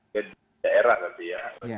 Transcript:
di daerah tadi ya